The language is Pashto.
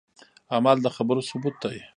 عمل د خبرو ثبوت دی